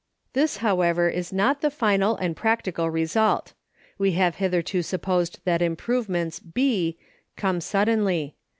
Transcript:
This, however, is not the final and practical result. We have hitherto supposed that improvements, B, come suddenly.